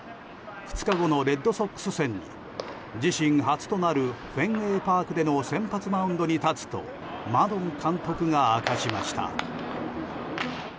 ２日後のレッドソックス戦に自身初となるフェンウェイ・パークでの先発マウンドに立つとマドン監督が明かしました。